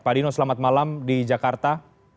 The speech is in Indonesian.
pak dino selamat malam di jakarta